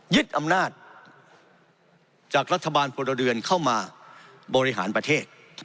อำนาจจากรัฐบาลพลเรือนเข้ามาบริหารประเทศ